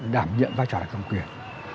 đảm nhận vai trò đảng cầm quyền